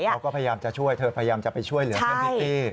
เขาก็พยายามจะช่วยเธอพยายามจะไปช่วยเหลือเพื่อนพิตตี้